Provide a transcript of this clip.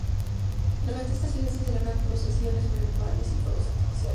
Durante estas fiestas se celebran procesiones, verbenas y fuegos artificiales.